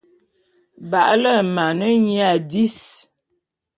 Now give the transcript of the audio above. Ba’ale’e ma ane nyia dis.